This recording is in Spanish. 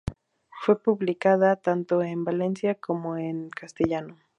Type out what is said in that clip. Fue publicada tanto en valenciano como en castellano.